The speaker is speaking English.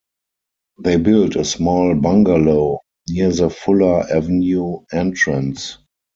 They built a small bungalow near the Fuller Avenue entrance.